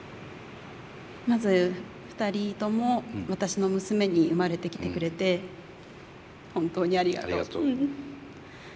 まず２人とも私の娘に生まれてきてくれて本当にありがとう。